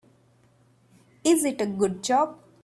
Is it a good job?